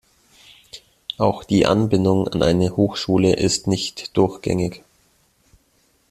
Auch die Anbindung an eine Hochschule ist nicht durchgängig.